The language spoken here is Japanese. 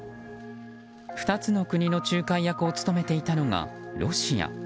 ２つの国の仲介役を務めていたのが、ロシア。